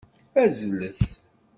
Azzlet!